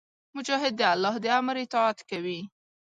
مجاهد د الله د امر اطاعت کوي.